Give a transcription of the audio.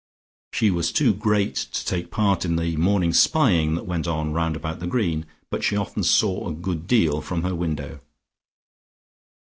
She was too great to take part in the morning spying that went on round about the Green, but she often saw a good deal from her window.